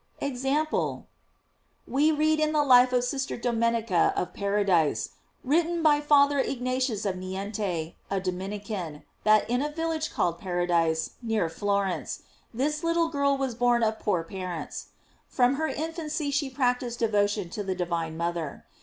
EXAMPLE. We read in the life of Sister Domenica of Para dise, written by Father Ignatius of Niente, a Dominican, that in a village called Paradise, near Florence, this little girl was born of poor par ents. From her infancy she practised devotion to the divine mother.